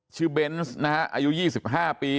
ชื่อเบนส์อายุ๒๕ปี